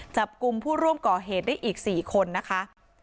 จับกลุ่มผู้ร่วมก่อเหตุได้อีก๔คนนะคะ